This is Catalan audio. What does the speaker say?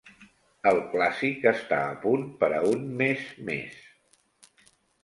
El 'Clàssic' està a punt per a un mes més.